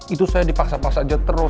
itu saya dipaksa paksa aja terus